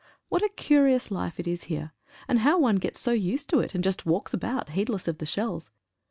What a curious life it is here, and how one gets so used to it, and just walks about heedless of the shells.